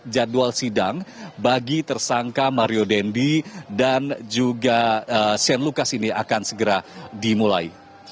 jadwal sidang bagi tersangka mario dendi dan juga shane lucas ini akan segera dimulai